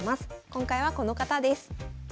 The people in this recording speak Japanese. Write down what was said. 今回はこの方です。